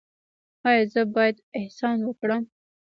ایا زه باید احسان وکړم؟